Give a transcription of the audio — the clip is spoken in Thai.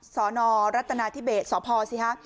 สนรัฐนาธิเบสพสิฮะ